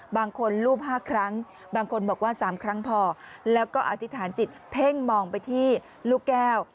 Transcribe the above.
บางคนรูป๕ครั้งบางคนบอกว่า๓ครั้งพอแล้วก็อธิษฐานจิตเพ่งมองไปที่ลูกแก้ว